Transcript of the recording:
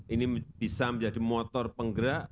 ini bisa menjadi motor penggerak